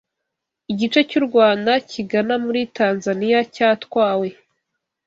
igice cy’u Rwanda kigana muri Tanzaniya cyatwawe